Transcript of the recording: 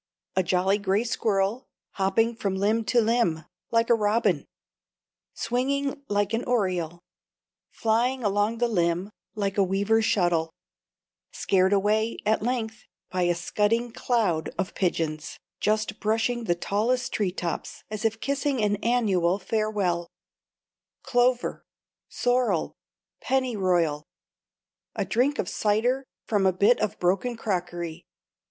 A jolly gray squirrel, hopping from limb to limb, like a robin; swinging like an oriole; flying along the limb like a weaver's shuttle; scared away, at length, by a scudding cloud of pigeons, just brushing the tallest tree tops, as if kissing an annual farewell. Clover. Sorrel. Pennyroyal. A drink of cider from a bit of broken crockery.